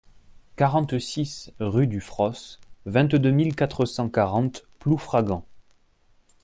quarante-six rue du Fros, vingt-deux mille quatre cent quarante Ploufragan